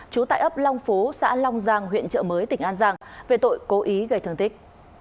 trú tại ấp long phú xã long giang huyện trợ mới tỉnh an giang về tội cố ý gây thương tích